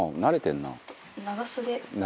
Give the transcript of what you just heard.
長袖。